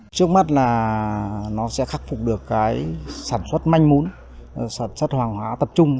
trước mắt là nó sẽ khắc phục được sản xuất manh mún sản xuất hoàng hóa tập trung